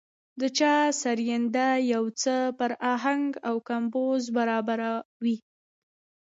د چا سرېنده يو څه پر اهنګ او کمپوز برابره وي.